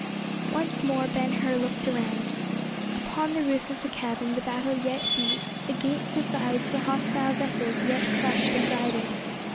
Once more Ben Hur looked around. Upon the roof of the cabin the battle yet beat; against the sides the hostile vessels yet crushed and grided.